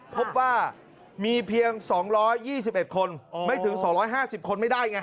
พบว่ามีเพียง๒๒๑คนไม่ถึง๒๕๐คนไม่ได้ไง